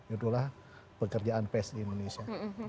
itulah pekerjaan pes di indonesia